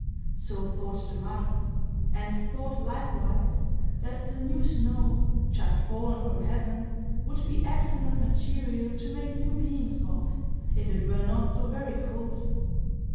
So thought the mother; and thought, likewise, that the new snow, just fallen from heaven, would be excellent material to make new beings of, if it were not so very cold.